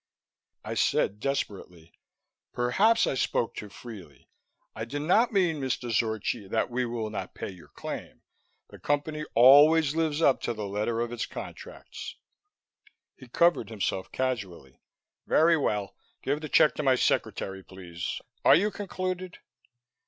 I said desperately, "Perhaps I spoke too freely. I do not mean, Mr. Zorchi, that we will not pay your claim. The Company always lives up to the letter of its contracts." He covered himself casually. "Very well. Give the check to my secretary, please. Are you concluded?"